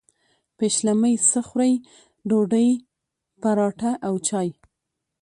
پیشلمۍ څه خورئ؟ ډوډۍ، پراټه او چاي